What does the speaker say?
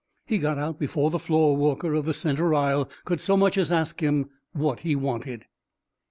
He got out before the floorwalker of the centre aisle could so much as ask him what he wanted.